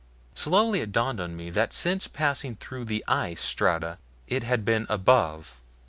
Slowly it dawned on me that since passing through the ice strata it had been above.